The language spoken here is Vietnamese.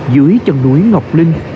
dưới chân núi ngọc linh